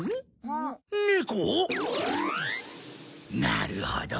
なるほど。